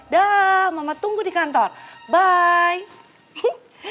dah mama tunggu di kantor by